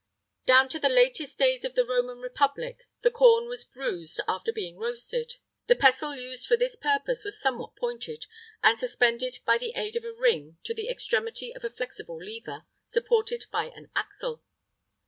[III 11] Down to the latest days of the Roman republic the corn was bruised after being roasted. The pestle used for this purpose was somewhat pointed, and suspended by the aid of a ring to the extremity of a flexible lever, supported by an axle.